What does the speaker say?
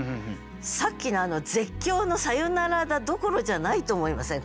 さっきの「絶叫のサヨナラ打」どころじゃないと思いません？